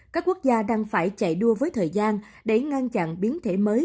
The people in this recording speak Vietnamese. các quốc gia đang phải chạy đua với thời gian để ngăn chặn biến thể mới